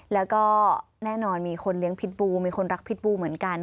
แล้วก็แน่นอนมีคนเลี้ยงพิษบูมีคนรักพิษบูเหมือนกัน